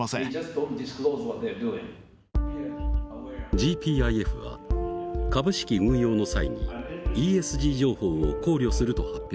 ＧＰＩＦは株式運用の際にＥＳＧ情報を考慮すると発表。